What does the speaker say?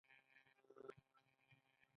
کله چې افغانستان کې ولسواکي وي معلولین کار کوي.